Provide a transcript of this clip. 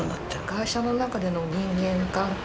会社の中での人間関係。